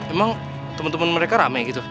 emang temen temen mereka rame gitu